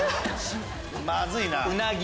まずいな。